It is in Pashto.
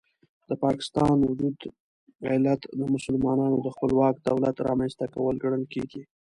د پاکستان وجود علت د مسلمانانو د خپلواک دولت رامنځته کول ګڼل کېږي.